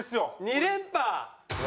２連覇！